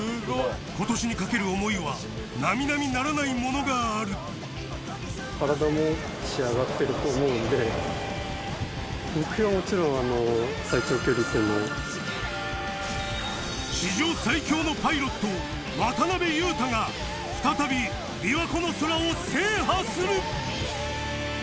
今年に懸ける思いはなみなみならないものがある史上最強のパイロット渡邊悠太が再び琵琶湖の空を制覇する！